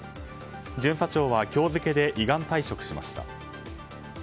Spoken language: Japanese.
巡査長は今日付で依願退職しました。